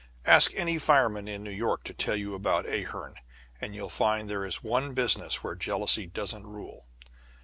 Ask any fireman in New York to tell you about Ahearn, and you'll find there is one business where jealousy doesn't rule.